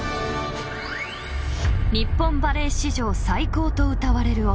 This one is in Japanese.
［日本バレー史上最高とうたわれる男］